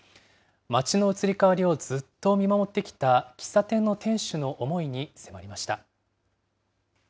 街の移り変わりをずっと見守ってきた喫茶店の店主の思いに迫りま